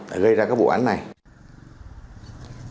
hoạt động chuyên nghiệp